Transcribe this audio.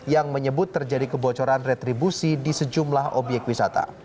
yang menyebut terjadi kebocoran retribusi di sejumlah obyek wisata